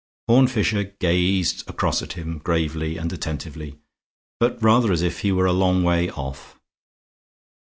Horne Fisher gazed across at him gravely and attentively, but rather as if he were a long way off.